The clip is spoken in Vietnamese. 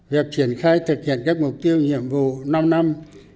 việc triển khai thực hiện các mục tiêu nhiệm vụ năm năm hai nghìn hai mươi hai nghìn hai mươi năm